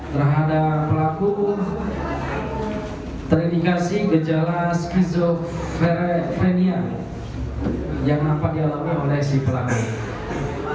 terhadap pelaku terindikasi gejala skizofrenia yang nampak dialami oleh si pelaku